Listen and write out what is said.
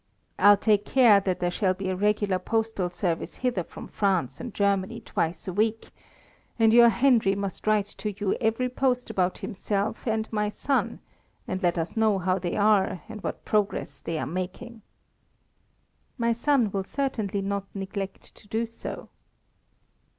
I'll take care that there shall be a regular postal service hither from France and Germany twice a week, and your Henry must write to you every post about himself and my son, and let us know how they are and what progress they are making." "My son will certainly not neglect to do so."